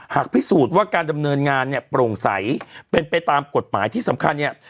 หากพิสูจน์ว่าการดำเนินงานเนี่ยโปร่งใสเป็นไปตามกฎหมายที่สำคัญเนี่ย